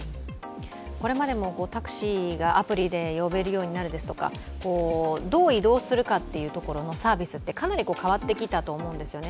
これまでもタクシーがアプリで呼べるようになるですとか、どう移動するかというところのサービスってかなり変わってきたとおもうんですよね。